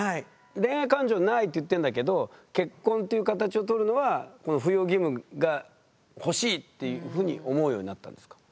「恋愛感情ない」って言ってんだけど結婚という形をとるのはこの扶養義務がほしいっていうふうに思うようになったんですか？